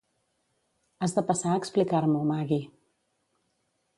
Has de passar a explicar-m'ho, Maggie.